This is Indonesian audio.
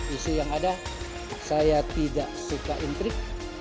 isu yang ada saya tidak suka intrik